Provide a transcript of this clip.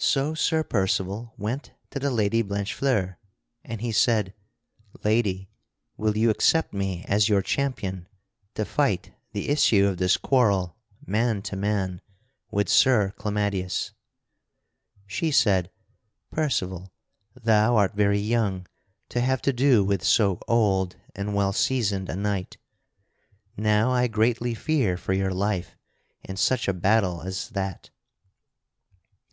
So Sir Percival went to the Lady Blanchefleur, and he said: "Lady, will you accept me as your champion to fight the issue of this quarrel man to man with Sir Clamadius?" She said: "Percival, thou art very young to have to do with so old and well seasoned a knight. Now I greatly fear for your life in such a battle as that."